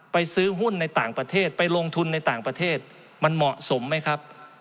ซื้อหุ้นในต่างประเทศไปลงทุนในต่างประเทศมันเหมาะสมไหมครับ